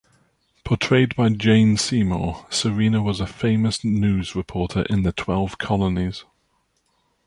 Portrayed by Jane Seymour, Serina was a famous news reporter in the Twelve Colonies.